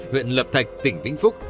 huyện lập thạch tỉnh vĩnh phúc